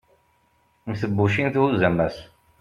mm tebbucin thuzz ammas